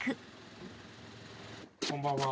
こんばんは。